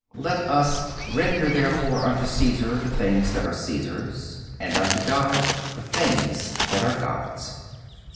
Let us "render, therefore, unto Cæsar the things that are Cæsar's, and unto God the things that are God's."